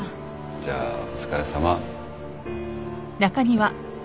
じゃあお疲れさま。